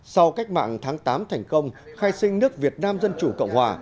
sau cách mạng tháng tám thành công khai sinh nước việt nam dân chủ cộng hòa